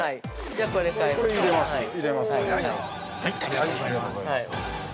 ◆ありがとうございます。